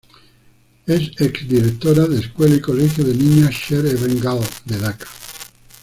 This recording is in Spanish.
Es ex directora de "Escuela y Colegio de Niñas Sher-e-Bangla" de Daca.